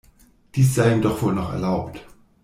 Dies sei ihm doch wohl noch erlaubt.